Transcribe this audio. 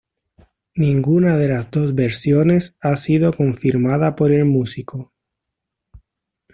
Ninguna de las dos versiones ha sido confirmada por el músico.